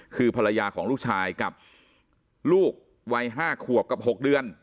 คือภรรยาของลูกชายกับลูกวัย๕ขวบกับ๖เดือน